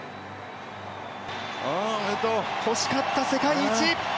欲しかった世界一。